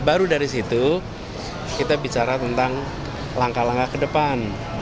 baru dari situ kita bicara tentang langkah langkah ke depan